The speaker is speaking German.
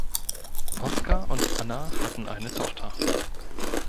Oscar und Anna hatten eine Tochter.